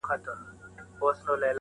زه چي د شپې خوب كي ږغېږمه دا~